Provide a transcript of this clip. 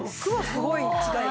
すごい。